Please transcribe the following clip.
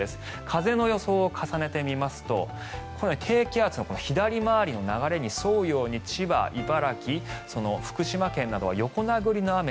風の予想を重ねてみますと低気圧の左回りの流れに沿うように千葉、茨城、福島県などは横殴りの雨。